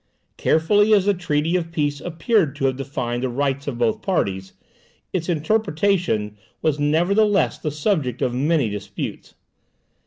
Carefully as the treaty of peace appeared to have defined the rights of both parties, its interpretation was nevertheless the subject of many disputes.